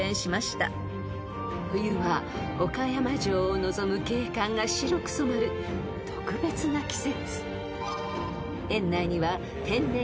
［冬は岡山城を望む景観が白く染まる特別な季節］